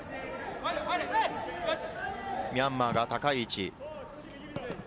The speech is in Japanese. ミャンマーが高い位置。